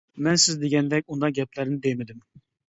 مەن سىز دېگەندەك ئۇنداق گەپلەرنى دېمىدىم.